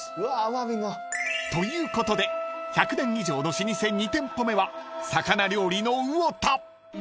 ［ということで１００年以上の老舗２店舗目は魚料理のうお多］